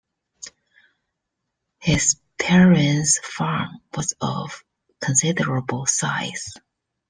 His parents' farm was of considerable size.